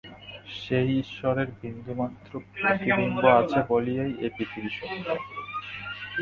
সেই ঈশ্বরের বিন্দুমাত্র প্রতিবিম্ব আছে বলিয়াই এ পৃথিবী সত্য।